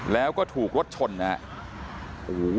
แล้วก็ถูกรถชนนะฮะ